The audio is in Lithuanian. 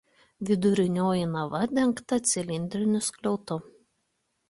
Vidurinioji nava dengta cilindriniu skliautu.